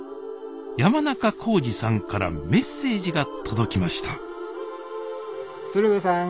山中幸治さんからメッセージが届きました鶴瓶さん